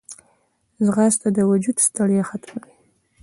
ځغاسته د وجود ستړیا ختموي